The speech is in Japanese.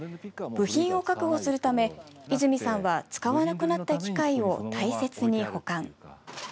部品を確保するため、泉さんは使わなくなった機械を大切に保管。